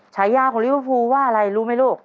ฉายาของลิเวอร์ฟูว่าอะไรรู้ไหมลูก